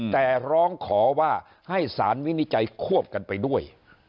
แต่ร้องขอว่าให้สารวินิจัยควบกันไปด้วย